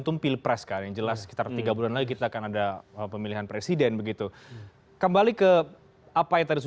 tkn tidak mau seperti itu